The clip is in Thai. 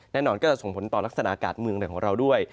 แน่นอนก็จะส่งผลต่อลักษณะอากาศเมืองไหนของเราด้วย